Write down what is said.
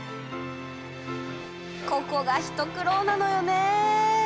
ここが一苦労なのよね。